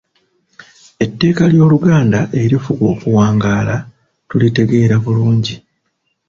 Etteeka ly’Oluganda erifuga okuwangaala tulitegeera bulungi.